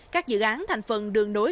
các dự án thành phần đường nối